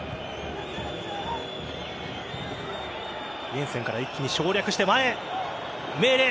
イェンセンから一気に省略して前へメーレ。